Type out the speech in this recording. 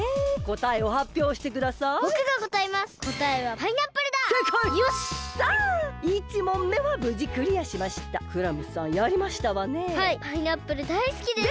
パイナップルだいすきです。